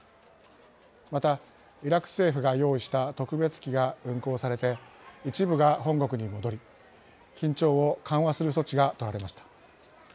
また、イラク政府が用意した特別機が運航されて一部が本国に戻り緊張を緩和する措置がとられました。